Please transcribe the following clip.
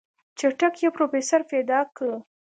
چټک پې پروفيسر پيدا که.